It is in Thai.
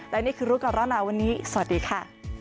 และนี่คือรุกรณาน่าวันนี้สวัสดีค่ะ